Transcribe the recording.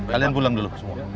kalian pulang dulu